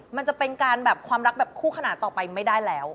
มันจะเป็นการแบบความรักแบบคู่ขนาดต่อไปไม่ได้แล้ว